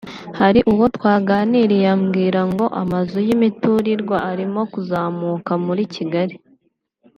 Hari uwo twaganiriya ambwira ngo amazu y’imiturirwa arimo kuzamuka muri Kigali